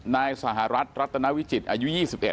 นายสหรัฐรัตนาวิจิตรอายุ๒๑